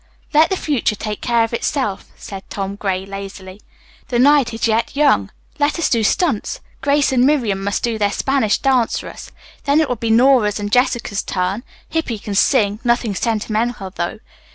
"Let the future take care of itself," said Tom Gray lazily. "The night is yet young. Let us do stunts. Grace and Miriam must do their Spanish dance for us. Then it will be Nora's and Jessica's turn. Hippy can sing, nothing sentimental, though.